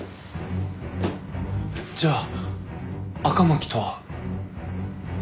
じゃあ赤巻とは。